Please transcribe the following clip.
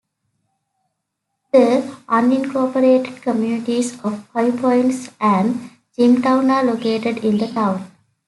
The unincorporated communities of Five Points and Jimtown are located in the town.